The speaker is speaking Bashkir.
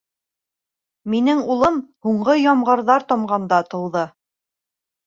— Минең улым, һуңғы ямғырҙар тымғанда тыуҙы.